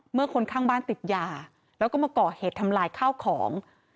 คนข้างบ้านติดยาแล้วก็มาก่อเหตุทำลายข้าวของ